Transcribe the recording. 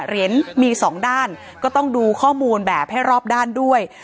เหรียญมีสองด้านก็ต้องดูข้อมูลแบบให้รอบด้านด้วย